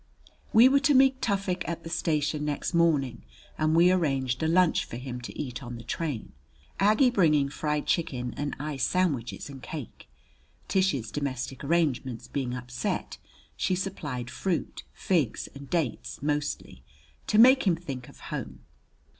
We were to meet Tufik at the station next morning and we arranged a lunch for him to eat on the train, Aggie bringing fried chicken and I sandwiches and cake. Tish's domestic arrangements being upset, she supplied fruit, figs and dates mostly, to make him think of home.